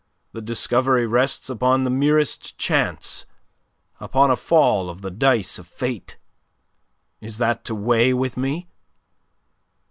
The discovery rests upon the merest chance, upon a fall of the dice of Fate. Is that to weigh with me?"